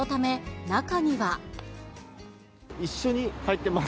一緒に入ってます。